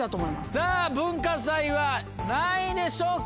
さぁ文化祭は何位でしょうか？